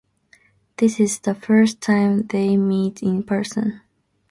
This is the first time they meet in person.